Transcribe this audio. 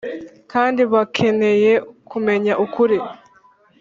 Kandi bakeneye kumenya ukuri